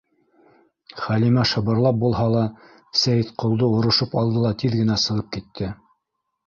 — Хәлимә, шыбырлап булһа ла, Сәйетҡолдо орошоп алды ла тиҙ генә сығып китте.